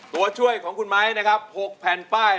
ตัวช่วยของคุณไม้นะครับ๖แผ่นป้าย